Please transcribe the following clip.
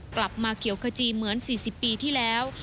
กลับมาเกี่ยวขจีเหมือน๔๐ปีที่แล้ว